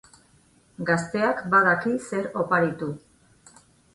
Gazteak badaki zer oparitu.